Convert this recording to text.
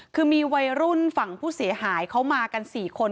คือมีวัยรุ่นฝั่งผู้เสียหายเขามากัน๔คน